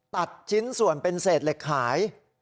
ตัดชิ้นส่วนเป็นเศษเหล็กขาย